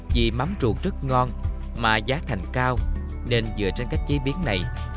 vì mắm trụ rất ngon mà giá thành cao nên dựa trên cách chế biến này